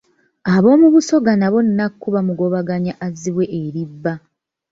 Ab'omu Busoga nabo Nnakku baamugobaganya azzibwe eri bba.